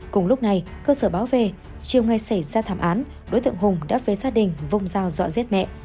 cùng lúc này cơ sở báo về chiều ngày xảy ra thảm án đối tượng hùng đáp về gia đình vùng rào dọa giết mẹ